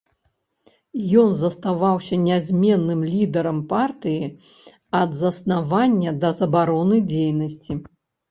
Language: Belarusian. Ён заставаўся нязменным лідарам партыі ад заснавання да забароны дзейнасці.